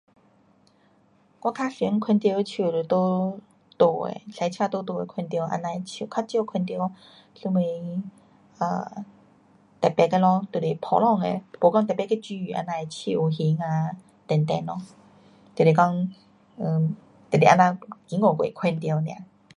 我较常看到的树是在路的，驾车在路的看到这样的树，较少看到什么 um 特别的咯，就是普通的，没讲特别去注意这样的树形啊等等咯。就是讲 um 只是这样经过看到 nia